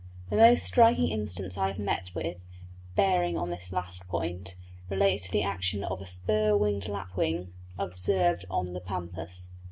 The most striking instance I have met with, bearing on this last point, relates to the action of a spur winged lapwing observed on the Pampas.